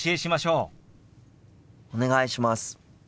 お願いします。